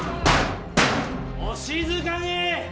お静かに！